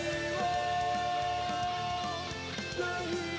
โอ้โหไม่พลาดกับธนาคมโดโด้แดงเขาสร้างแบบนี้